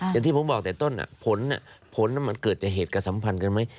อย่างที่ผมบอกแต่ต้นผลมันเกิดจากเหตุกระสัมพันธ์กันไหม